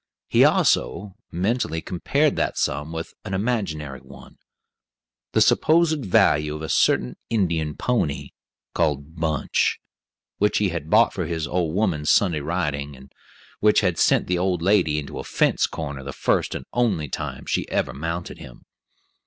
He also, mentally, compared that sum with an imaginary one, the supposed value of a certain Indian pony, called "Bunch," which he had bought for his "old woman's" Sunday riding, and which had sent the old lady into a fence corner the first and only time she ever mounted him.